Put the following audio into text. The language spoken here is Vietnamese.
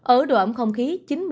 ở độ ấm không khí chín mươi